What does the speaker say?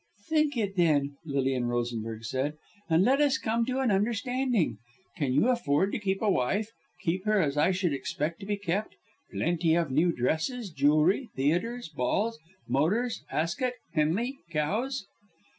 "Think it, then," Lilian Rosenberg said, "and let us come to an understanding. Can you afford to keep a wife keep her, as I should expect to be kept plenty of new dresses, jewelry, theatres, balls, motors, Ascot, Henley, Cowes?"